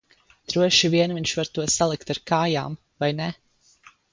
Droši vien viņš var to salikt ar kājām, vai ne?